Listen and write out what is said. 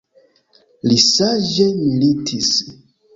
Li saĝe militis.